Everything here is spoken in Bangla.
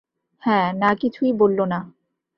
হ্যাঁ, না কিছুই বলল না।